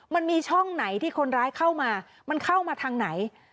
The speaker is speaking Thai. มันมีช่องไหนที่คนร้ายเข้ามามันเข้ามาทางไหน